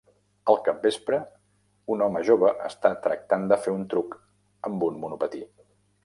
Al capvespre, un home jove està tractant de fer un truc amb un monopatí